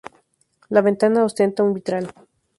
La ventana ostenta un vitral.